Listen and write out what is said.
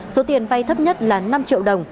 số tiền vay thấp nhất là năm triệu đồng